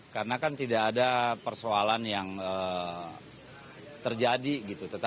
karena kan tidak ada persoalan yang terjadi gitu